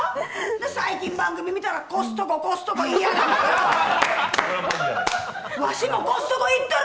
最近、番組見たらコストコ、コストコ言いやがって。